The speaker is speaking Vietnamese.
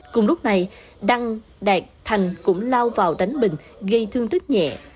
cùng lúc này đăng đạt thành cũng lao vào đánh bình gây thương tích nhẹ